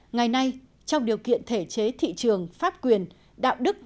ngày nay trong điều kiện thể chế thị trường pháp quyền đạo đức